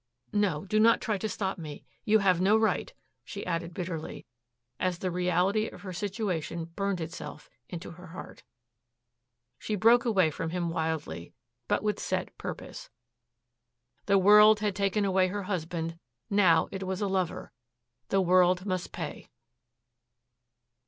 No, do not try to stop me, you have no right," she added bitterly as the reality of her situation burned itself into her heart. She broke away from him wildly, but with set purpose. The world had taken away her husband; now it was a lover; the world must pay.